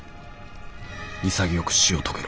潔く死を遂げろ。